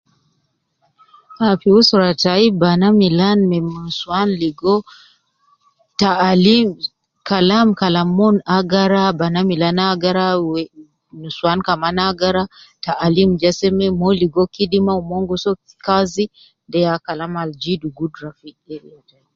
Fi usra tayi banaa Milan ma nuswan ligo taalim Kalam Kalam umon agara bana Milan agara nuswan kaman agara taalim ja seme mon ligo kidima mon gi so kazi de ya Kalam gi zidu gudura.